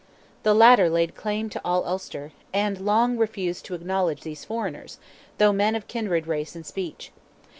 The latter laid claim to all Ulster, and long refused to acknowledge these foreigners, though men of kindred race and speech.